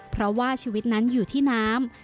เพราะว่าชีวิตนั้นอยู่ที่น้ำ